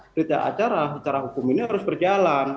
berita acara secara hukum ini harus berjalan